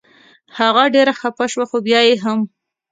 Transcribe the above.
هغه ډېره خفه شوه خو بیا یې هم.